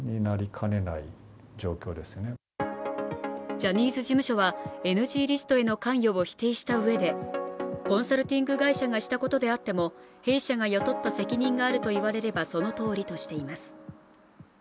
ジャニーズ事務所は、ＮＧリストへの関与を否定したうえでコンサルティング会社がしたことであっても弊社が雇った責任があると言われればそのとおりとしています。